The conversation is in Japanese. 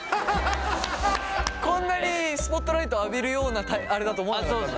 こんなにスポットライト浴びるようなあれだと思わなかったんだ？